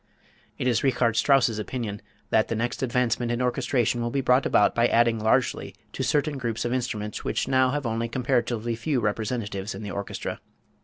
It is Richard Strauss's opinion that the next advancement in orchestration will be brought about by adding largely to certain groups of instruments which now have only comparatively few representatives in the orchestra.